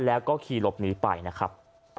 แล้วก็ขี่หลบหนีไปนะครับ